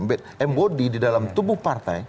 bad embodi di dalam tubuh partai